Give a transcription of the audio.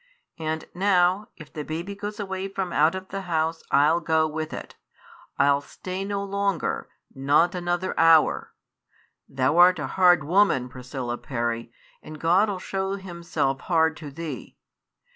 And now, if the baby goes away from out of the house I'll go with it. I'll stay no longer, not another hour. Thou'rt a hard woman, Priscilla Parry, and God 'll show Himself hard to thee.